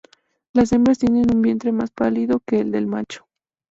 Las hembras tienen un vientre más pálido que el del macho.